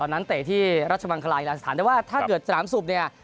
ตอนนั้นเตะที่รัชมังคลายละสถานแต่ว่าถ้าเกิดสนามสุบเนี่ย